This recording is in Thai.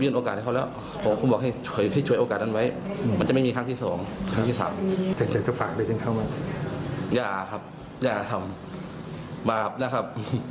อย่าครับอย่าทำบาปนะครับ